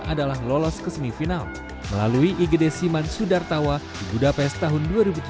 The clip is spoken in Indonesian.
adalah lolos ke semifinal melalui igd siman sudartawa di budapest tahun dua ribu tujuh belas